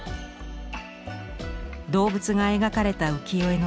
動物が描かれた浮世絵の展覧会。